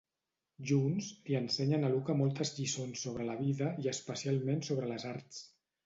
Junts, li ensenyen a Luca moltes lliçons sobre la vida i especialment sobre les arts.